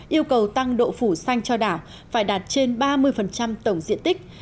yêu cầu tăng độ phủ xanh cho đảo phải đạt trên ba mươi tổng diện tích